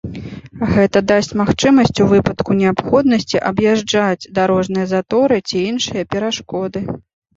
Гэта дасць магчымасць у выпадку неабходнасці аб'язджаць дарожныя заторы ці іншыя перашкоды.